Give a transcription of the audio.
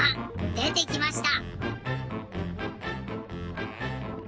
でてきました！